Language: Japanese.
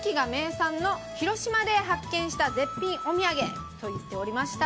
広島で発見した絶品お土産と言っておりました。